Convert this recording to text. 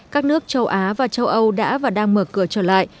các nước châu á và châu âu đã và đang mở cửa trở lại